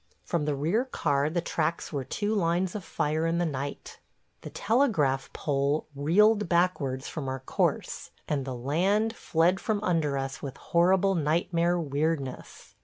From the rear car the tracks were two lines of fire in the night. The telegraph pole reeled backwards from our course and the land fled from under us with horrible nightmare weirdness.